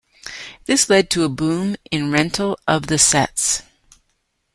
This led to a boom in rental of the sets.